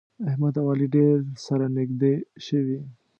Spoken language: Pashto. احمد او علي ډېر سره نږدې شوي.